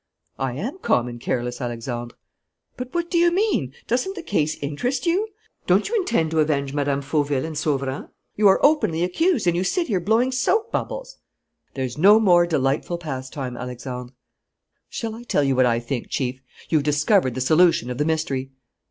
"I am calm and careless, Alexandre." "But what do you mean? Doesn't the case interest you? Don't you intend to avenge Mme. Fauville and Sauverand? You are openly accused and you sit here blowing soap bubbles!" "There's no more delightful pastime, Alexandre." "Shall I tell you what I think, Chief? You've discovered the solution of the mystery!"